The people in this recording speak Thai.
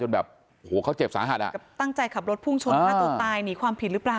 แล้วเขาเจ็บสาหัสใจตั้งใจขับรถพุ่งชนห้าตัวตายหนีความผิดหรือ